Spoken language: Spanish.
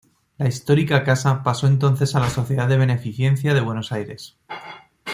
La histórica casa pasó entonces a la Sociedad de Beneficencia de Buenos Aires.